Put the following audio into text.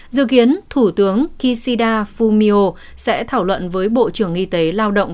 dự kiến thủ tướng kishida fumio sẽ thảo luận với bộ trưởng y tế lao động